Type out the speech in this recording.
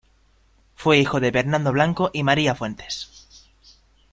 Fue hijo de Bernardo Blanco y María Fuentes.